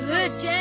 ん？